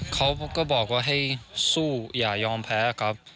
เขาก็บอกว่าให้สู้อย่ายอมแพ้ครับ